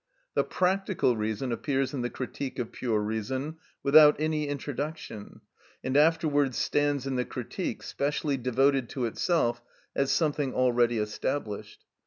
The practical reason appears in the "Critique of Pure Reason" without any introduction, and afterwards stands in the "Critique" specially devoted to itself as something already established.